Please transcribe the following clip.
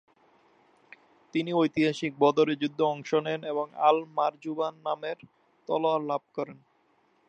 তিনি ঐতিহাসিক বদরের যুদ্ধে অংশ নেন এবং আল-মারজুবান নামের তলোয়ার লাভ করেন।